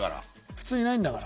普通いないんだから。